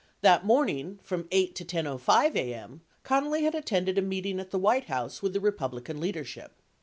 That morning, from 8 to 10:05 a.m., Connally had attended a meeting at the White House with the Kepublican leadership.